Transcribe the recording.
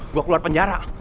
gue keluar penjara